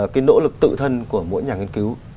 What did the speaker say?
cái nỗ lực tự thân của mỗi nhà nghiên cứu